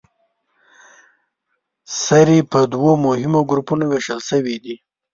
سرې په دوو مهمو ګروپونو ویشل شوې دي.